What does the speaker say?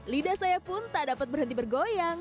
lidah saya pun tak dapat berhenti bergoyang